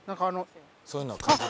そういうのは感じる。